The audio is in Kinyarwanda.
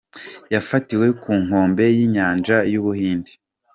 Yafatiwe ku nkombe y’Inyanja y’u Buhinde.